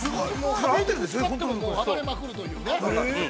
壁にぶつかっても暴れまくるというね。